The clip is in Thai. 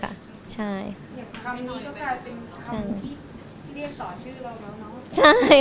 อย่างคำนี้ก็กลายเป็นคำที่เรียกต่อชื่อเราแล้วเนาะ